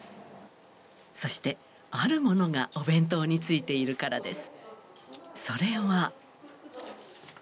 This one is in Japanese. そしてあるものがお弁当に付いているからです。